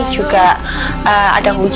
juga ada kualitas